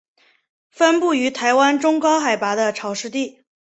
分布于台湾中高海拔的潮湿地。